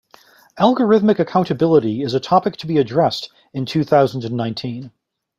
Algorithmic accountability is a topic to be addressed in two thousand and nineteen.